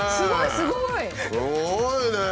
すごいね！